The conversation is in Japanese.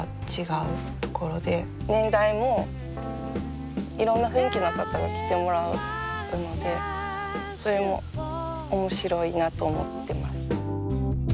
年代もいろんな雰囲気の方に着てもらうのでそれも面白いなと思ってます。